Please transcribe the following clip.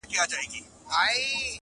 o و فقير ته د سپو سلا يوه ده٫